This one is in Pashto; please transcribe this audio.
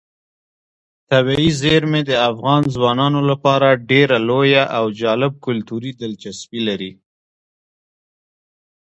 طبیعي زیرمې د افغان ځوانانو لپاره ډېره لویه او جالب کلتوري دلچسپي لري.